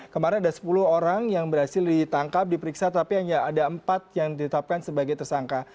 kemarin ada sepuluh orang yang berhasil ditangkap diperiksa tapi hanya ada empat yang ditetapkan sebagai tersangka